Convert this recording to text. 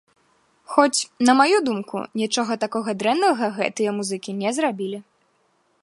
Хоць, на маю думку, нічога такога дрэннага гэтыя музыкі не зрабілі!